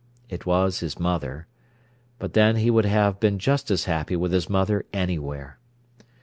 It was his mother. But then he would have been just as happy with his mother anywhere.